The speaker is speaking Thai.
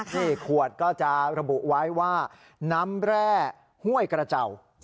นี่ขวดก็จะระบุไว้ว่าน้ำแร่ห้วยกระเจ้า